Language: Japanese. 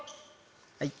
はい。